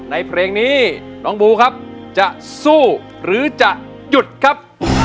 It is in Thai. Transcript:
ในเพลงนี้น้องบูครับจะสู้หรือจะหยุดครับ